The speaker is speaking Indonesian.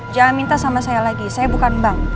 jangan minta sama saya lagi saya bukan bank